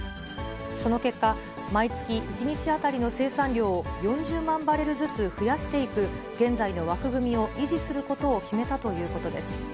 その結果、毎月１日当たりの生産量を４０万バレルずつ増やしていく、現在の枠組みを維持することを決めたということです。